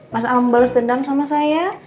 mas al bales dendam sama saya